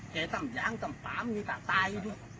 แกตามยางตามกามที่แปบตายดิ